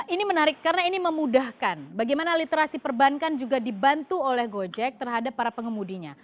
ini menarik karena ini memudahkan bagaimana literasi perbankan juga dibantu oleh gojek terhadap para pengemudinya